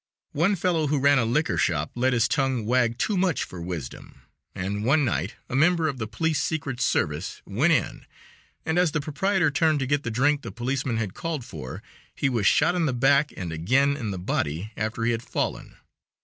One fellow who ran a liquor shop let his tongue wag too much for wisdom, and one night a member of the police secret service went in, and as the proprietor turned to get the drink the policeman had called for, he was shot in the back and again in the body after he had fallen.